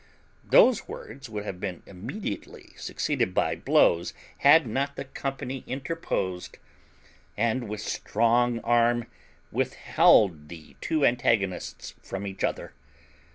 Those words would have been immediately succeeded by blows had not the company interposed, and with strong arm withheld the two antagonists from each other.